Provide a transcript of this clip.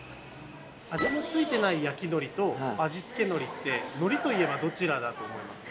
味の付いてない「焼きのり」と「味付けのり」ってのりといえばどちらだと思いますか？